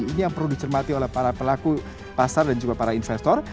ini yang perlu dicermati oleh para pelaku pasar dan juga para investor